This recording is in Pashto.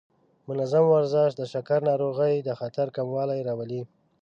منظم ورزش د شکر ناروغۍ د خطر کموالی راولي.